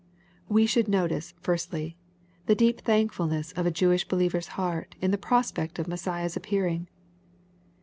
We should notice, firstly, the deep thankfulness of a Jewish believer's heart in the prospect of Messiah^s appearing.